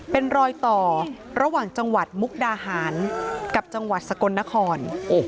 เป็นรอยต่อระหว่างจังหวัดมุกดาหารกับจังหวัดสกลนคร